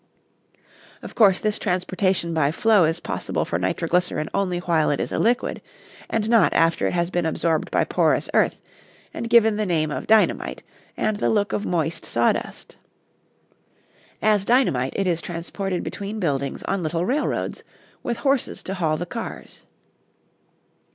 Of course this transportation by flow is possible for nitroglycerin only while it is a liquid, and not after it has been absorbed by porous earth and given the name of dynamite and the look of moist sawdust. As dynamite it is transported between buildings on little railroads, with horses to haul the cars.